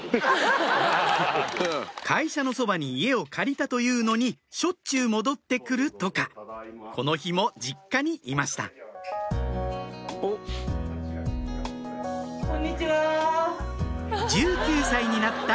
会社のそばに家を借りたというのにしょっちゅう戻って来るとかこの日も実家にいましたこんにちは。